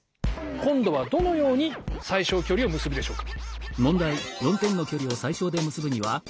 今度はどのように最小距離を結ぶでしょうか？